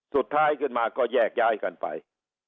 สุดท้ายขึ้นมาก็แยกย้ายกันไป